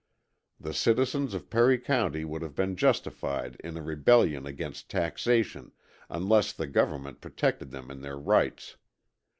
The citizens of Perry County would have been justified in a rebellion against taxation, unless the government protected them in their rights.